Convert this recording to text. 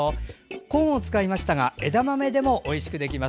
コーンを使いましたが枝豆でもおいしくできます。